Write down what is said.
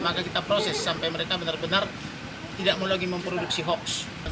maka kita proses sampai mereka benar benar tidak mau lagi memproduksi hoax